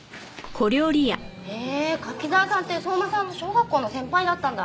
へえ柿沢さんって相馬さんの小学校の先輩だったんだ。